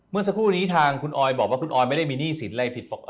เมื่อสักครู่นี้ทางคุณออยบอกว่าคุณออยไม่ได้มีหนี้สินอะไรผิดปกติ